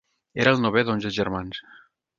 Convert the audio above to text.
Era el novè d'onze germans.